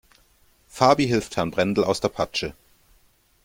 Fabi hilft Herrn Brendel aus der Patsche.